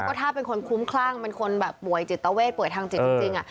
ก็ถ้าเป็นคนคุ้มคลั่งเป็นคนแบบป่วยจิตเวทป่วยทางจิตจริง